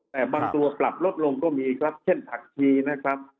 แต่บางตัวปรับลดลงก็มีครับเช่นผักชีนะครับ